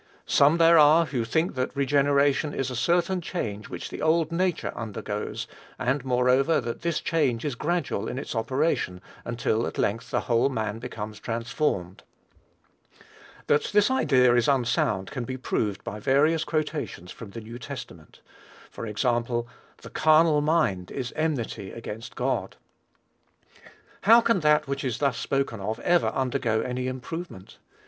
Some there are, who think that regeneration is a certain change which the old nature undergoes; and, moreover, that this change is gradual in its operation, until at length the whole man becomes transformed. That this idea is unsound can be proved by various quotations from the New Testament. For example, "the carnal mind is enmity against God." How can that which is thus spoken of ever undergo any improvement?